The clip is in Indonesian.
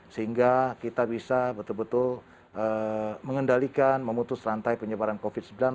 sehingga kita bisa betul betul mengendalikan memutus rantai penyebaran covid sembilan belas